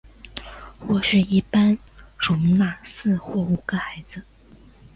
卧室一般容纳四或五个孩子。